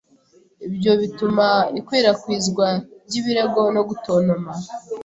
Ibyo bituma ikwirakwizwa ryibirego no gutontoma